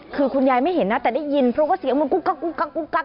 คือคุณยายไม่เห็นนะแต่ได้ยินเพราะว่าเสียงมันกุ๊กกัก